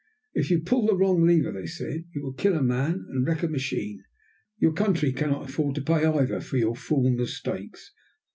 "If you pull the wrong lever," they said, "you will kill a man and wreck a machine. Your country cannot afford to pay, either, for your fool mistakes."